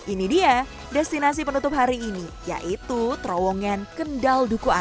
ini dia destinasi penutup hari ini yaitu terowongan kendal duku atas